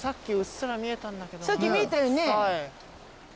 さっき見えたよね。